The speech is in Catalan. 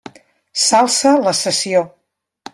S'alça la sessió.